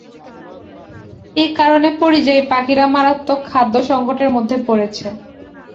একারণে পরিযায়ী পাখিরা মারাত্মক খাদ্য সংকটের মধ্যে পড়েছে।